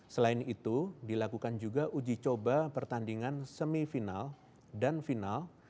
selain itu dilakukan juga uji coba pertandingan semifinal dan final